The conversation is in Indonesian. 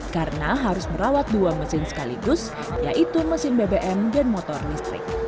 karena harus merawat dua mesin sekaligus yaitu mesin bbm dan motor listrik